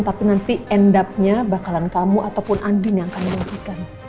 tapi nanti end up nya bakalan kamu ataupun andin yang akan menghentikan